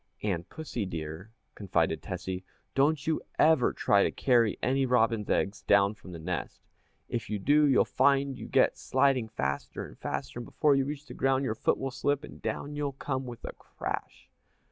"And, Pussy dear," confided Tessie, "don't you ever try to carry any robin's eggs down from the nest. If you do, you'll find you get sliding faster and faster, and before you reach the ground your foot will slip and down you'll come with a crash!"